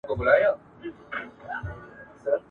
دی مجبور دی شاته نه سي ګرځېدلای !.